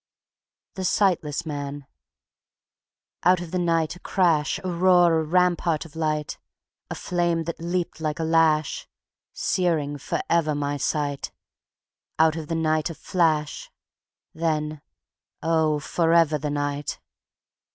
_ The Sightless Man Out of the night a crash, A roar, a rampart of light; A flame that leaped like a lash, Searing forever my sight; Out of the night a flash, Then, oh, forever the Night!